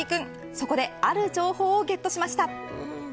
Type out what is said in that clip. そこである情報をゲットしました。